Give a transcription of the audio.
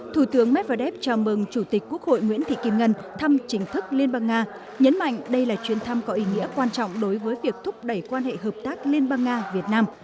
thủ tướng medvedev chào mừng chủ tịch quốc hội nguyễn thị kim ngân thăm chính thức liên bang nga nhấn mạnh đây là chuyến thăm có ý nghĩa quan trọng đối với việc thúc đẩy quan hệ hợp tác liên bang nga việt nam